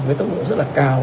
với tốc độ rất là cao